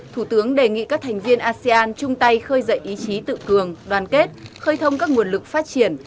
thủ tướng đề nghị các thành viên asean chung tay khơi dậy ý chí tự cường đoàn kết khơi thông các nguồn lực phát triển